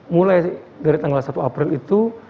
mulai dari tanggal satu april itu